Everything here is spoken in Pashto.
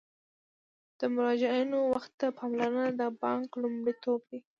د مراجعینو وخت ته پاملرنه د بانک لومړیتوب دی.